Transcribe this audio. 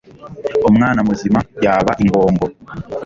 Umwana muzima yaba ingongo.